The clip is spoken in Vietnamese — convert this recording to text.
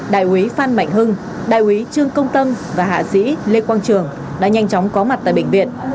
đại quý phan mạnh hưng đại úy trương công tâm và hạ sĩ lê quang trường đã nhanh chóng có mặt tại bệnh viện